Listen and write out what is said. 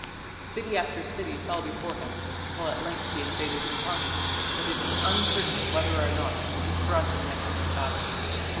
City after city fell before him, until at length he invaded Mitanni; but it is uncertain whether or not Tushratta met him in battle.